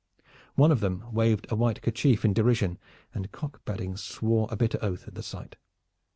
One of them waved a white kerchief in derision, and Cock Badding swore a bitter oath at the sight.